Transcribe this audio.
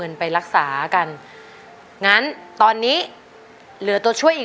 คุณยายแดงคะทำไมต้องซื้อลำโพงและเครื่องเสียง